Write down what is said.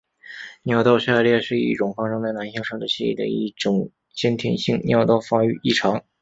尿道下裂是一种发生在男性生殖器的一种先天性尿道发育异常。